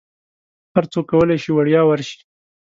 هرڅوک کولی شي وړیا ورشي.